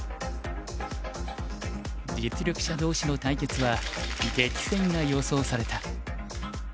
実力者同士の対決は激戦が予想された。